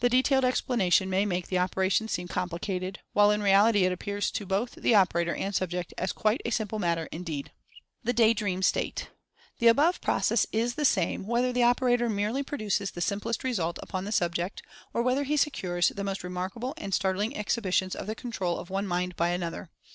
The detailed explanation may make the operation seem complicated — while in reality it appears to both the operator and subject as quite a simple matter, indeed. THE "DAY DREAM STATE." The above process is the same, whether the operator merely produces the simplest result upon the subject, Rationale of Fascination 57 or whether he secures the most remarkable and start ling exhibitions of the control of one mind by another.